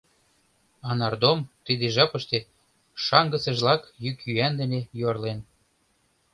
А нардом тиде жапыште шаҥгысыжлак йӱк-йӱан дене юарлен.